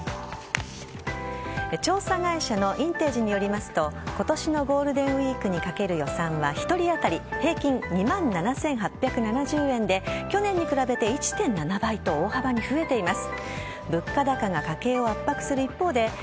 調査会社のインテージによりますと今年のゴールデンウイークにかける予算は、１人当たり平均２万７８７０円で去年に比べて１．７倍と大幅に増えています。